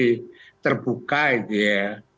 distribusi terbuka itu ya